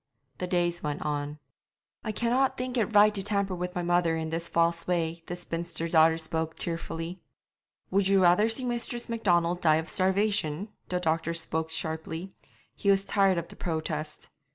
The days went on. 'I cannot think it right to tamper with my mother in this false way.' The spinster daughter spoke tearfully. 'Would you rather see Mistress Macdonald die of starvation?' The doctor spoke sharply; he was tired of the protest.